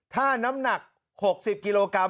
ถ้าน้ำหนัก๖๐กิโลกรัม